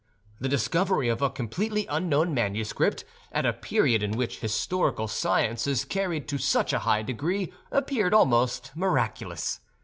The discovery of a completely unknown manuscript at a period in which historical science is carried to such a high degree appeared almost miraculous.